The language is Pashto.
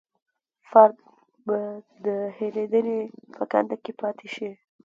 فرد به د هېرېدنې په کنده کې پاتې شي.